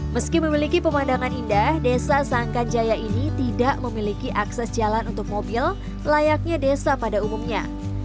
meski memiliki pemandangan indah desa sangka jaya ini tidak memiliki akses jalan untuk mobil layaknya desa pada umumnya